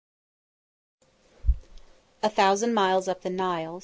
A Thousand Miles Up The Nile.